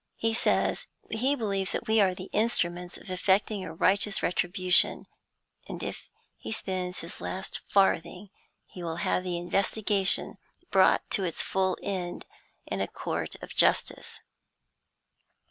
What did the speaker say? He says he believes we are the instruments of effecting a righteous retribution; and, if he spends his last farthing, he will have the investigation brought to its full end in a court of justice.